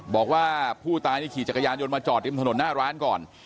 บอกว่าผู้ตายนี่ขี่จักรยานยนต์มาจอดริมถนนหน้าร้านก่อน